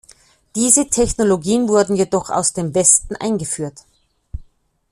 Diese Technologien wurden jedoch aus dem Westen eingeführt.